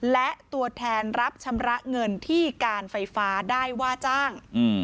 และตัวแทนรับชำระเงินที่การไฟฟ้าได้ว่าจ้าง